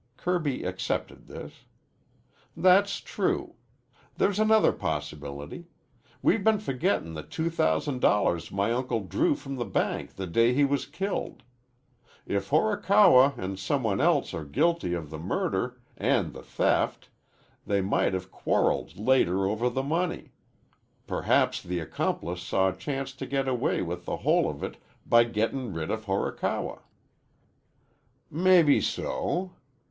Kirby accepted this. "That's true. There's another possibility. We've been forgettin' the two thousand dollars my uncle drew from the bank the day he was killed. If Horikawa an' some one else are guilty of the murder an' the theft, they might have quarreled later over the money. Perhaps the accomplice saw a chance to get away with the whole of it by gettin' rid of Horikawa." "Mebbeso.